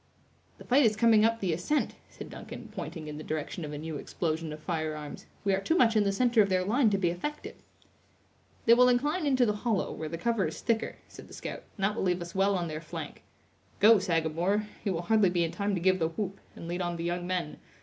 "The fight is coming up the ascent," said Duncan, pointing in the direction of a new explosion of firearms; "we are too much in the center of their line to be effective." "They will incline into the hollow, where the cover is thicker," said the scout, "and that will leave us well on their flank. Go, Sagamore; you will hardly be in time to give the whoop, and lead on the young men.